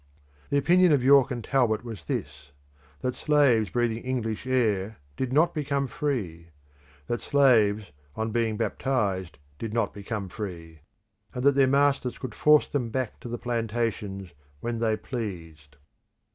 The opinion of York and Talbot was this: that slaves breathing English air did not become free; that slaves on being baptised did not become free; and that their masters could force them back to the plantations when they pleased.